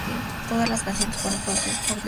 Todas las canciones fueron producidas por Dr. Dre.